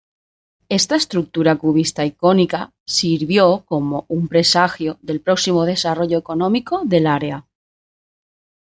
Esta estructura cubista icónica sirvió como un presagio del próximo desarrollo económico del área.